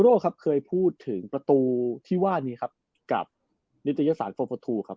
อเกอโรครับเคยพูดถึงประตูที่ว่านี้ครับกับริจาศาสตร์โฟฟุดทูธ์ครับ